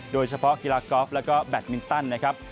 โดยเฉพาะกีฬากอล์ฟแล้วก็แบตมินตันนะครับ